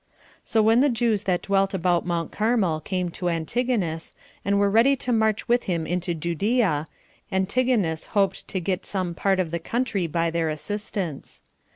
So when the Jews that dwelt about Mount Carmel came to Antigonus, and were ready to march with him into Judea, Antigonus hoped to get some part of the country by their assistance.